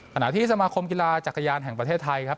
ขณะที่สมาคมกีฬาจักรยานแห่งประเทศไทยครับ